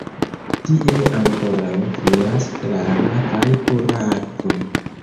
Tie ankoraŭ fluas klara kaj pura akvo.